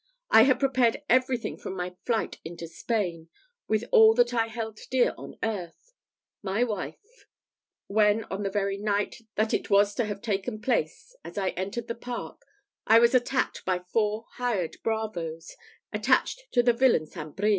I had prepared everything for my flight into Spain, with all that I held dear on earth my wife; when, on the very night that it was to have taken place, as I entered the park, I was attacked by four hired bravoes, attached to the villain St. Brie.